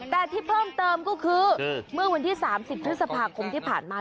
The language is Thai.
แต่ที่เพิ่มเติมก็คือเมื่อวันที่๓๐พฤษภาคมที่ผ่านมา